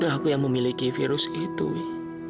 aku yang memiliki virus itu ya